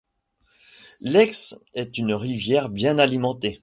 L'Aix est une rivière bien alimentée.